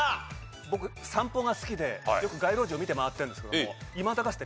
僕散歩が好きでよく街路樹を見て回ってるんですけども。